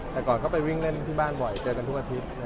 แต่ก่อนเขาไปวิ่งเล่นที่บ้านบ่อยเจอกันทุกอาทิตย์